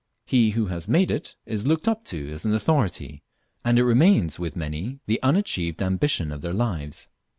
He who has made it is looked up to as an authority, and it remains with many the unachieved ambition of their lives.